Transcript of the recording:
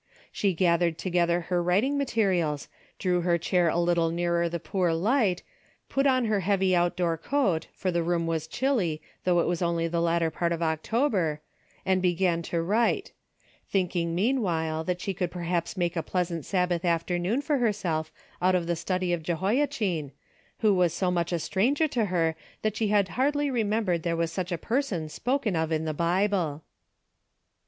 She gathered together her writing materials, drew her chair a little nearer the poor light, put on her heavy outdoor coat, for the room was chilly, though it Avas only the latter part of October, and began to Avrite ; thinking meanwhile that she could perhaps make a pleasant Sabbath afternoon for herself out of the study of Jehoiachin, Avho Avas so much a stranger to her that she had hardly re membered there was such a person spoken of in the Bible.